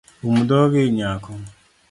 Um dhogi nyako